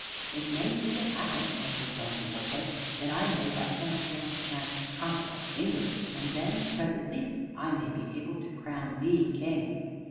"It may even happen," answered Don Quixote, "that I may by some strange chance conquer a kingdom. And then presently, I may be able to crown thee King."